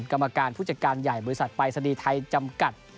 กรรมการผู้จัดการใหญ่บริษัทปรายศนีย์ไทยจำกัด